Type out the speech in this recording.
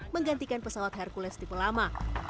menggantikan pesawat hercules tipe lama